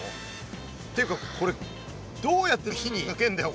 っていうかこれどうやって火にかけんだよ？